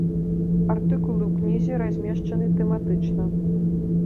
Артыкулы ў кнізе размешчаны тэматычна.